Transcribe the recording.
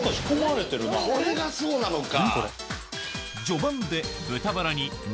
これがそうなのか。